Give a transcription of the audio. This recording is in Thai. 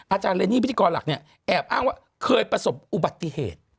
อาจารย์เรนนี่พิธีกรหลักเนี่ยแอบอ้างว่าเคยประสบอุบัติเหตุ